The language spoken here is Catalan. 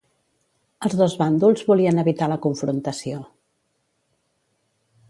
Els dos bàndols volien evitar la confrontació.